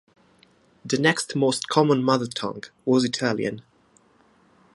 The next most common mother tongue was Italian.